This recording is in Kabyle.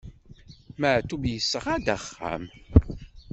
Maɛṭub yesɣa-d axxam.